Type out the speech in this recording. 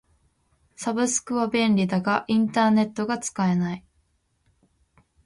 サブスクは便利だがインターネットがないと使えない。